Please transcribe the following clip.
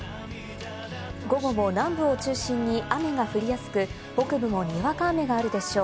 午後も南部を中心に雨が降りやすく、北部もにわか雨があるでしょう。